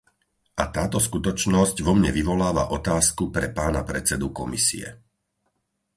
A táto skutočnosť vo mne vyvoláva otázku pre pána predsedu Komisie.